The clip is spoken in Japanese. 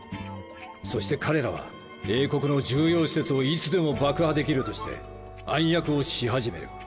そして彼らは英国の重要施設をいつでも爆破できるとして暗躍をし始める。